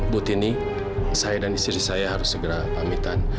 bu tini saya dan istri saya harus segera pamitan